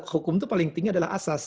hukum itu paling tinggi adalah asas